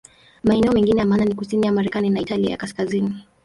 Maeneo mengine ya maana ni kusini ya Marekani na Italia ya Kaskazini.